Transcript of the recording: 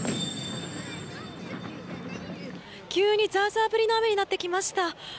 急にザーザー降りの雨になってきました。